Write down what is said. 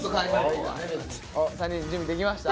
３人準備できました？